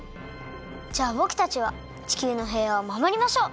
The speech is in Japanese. じゃあぼくたちは地球のへいわをまもりましょう！